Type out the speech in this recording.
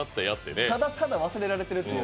ただ、ただ忘れられているという。